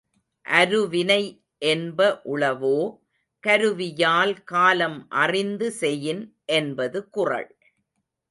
அருவினை என்ப உளவோ கருவியால் காலம் அறிந்து செயின் என்பது குறள்.